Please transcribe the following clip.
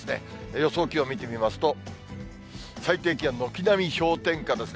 予想気温見てみますと、最低気温、軒並み氷点下ですね。